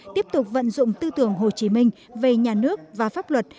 tiếp tục vận dụng tư tưởng hồ chí minh về nhà nước và pháp luật